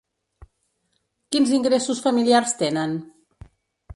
Quins ingressos familiars tenen?